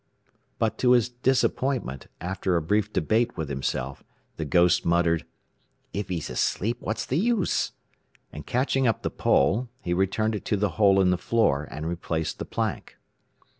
But to his disappointment, after a brief debate with himself, the "ghost" muttered, "If he's asleep, what's the use?" And catching up the pole, he returned it to the hole in the floor, and replaced the plank.